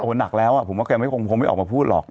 มันหนักแล้วผมว่าแกคงไม่ออกมาพูดหรอก